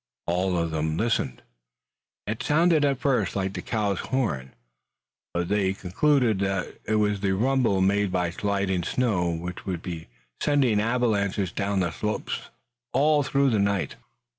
All of them listened. It sounded at first like the cow's horn, but they concluded that it was the rumble, made by sliding snow, which would be sending avalanches down the slopes all through the night.